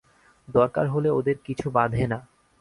দরকার হলে ওদের কিছু বাধে না।